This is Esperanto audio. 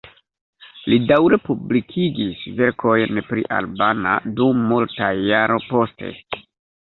Li daŭre publikigis verkojn pri albana dum multaj jaroj poste.